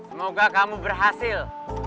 semoga kamu berhasil